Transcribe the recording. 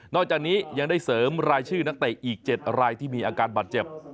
จากนี้ยังได้เสริมรายชื่อนักเตะอีก๗รายที่มีอาการบาดเจ็บ